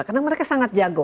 karena mereka sangat jago